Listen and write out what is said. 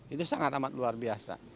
itu sangat amat luar biasa